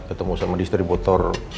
ketemu sama distributor